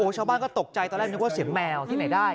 ชาวบ้านก็ตกใจตอนแรกนึกว่าเสียงแมวที่ไหนได้